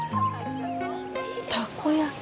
たこ焼き。